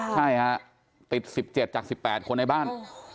ใช่ฮะติด๑๗จาก๑๘คนในบ้าน